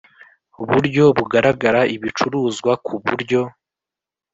Buryo Bugaragara Ibicuruzwa Ku Buryo